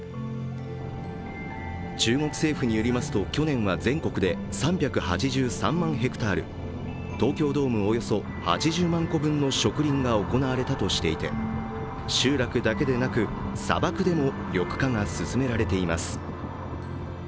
中国政府によりますと、去年は全国で３８３万ｈａ、東京ドームおよそ８０万個分の植林が行われたとしていて集落だけでなく砂漠でも緑化が進められています。